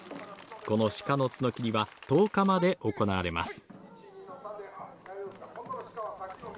この鹿の角きりは、１０日まで行われます。